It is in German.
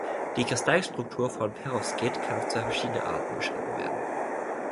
Die Kristallstruktur von Perowskit kann auf zwei verschiedene Arten beschrieben werden.